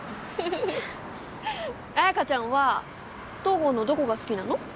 綾華ちゃんは東郷のどこが好きなの？